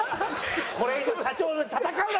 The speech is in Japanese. これ以上社長と戦うな！